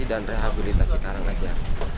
dan rehabilitasi karang saja